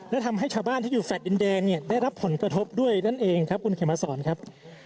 และทำให้ชาวบ้านที่อยู่แฟลต์ดินแดนเนี่ยได้รับผลกระทบด้วยนั่นเองครับคุณเขมมาสอนครับ